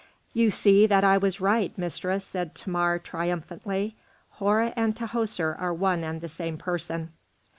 "You see that I was right, mistress," said Thamar, triumphantly. "Hora and Tahoser are one and the same person."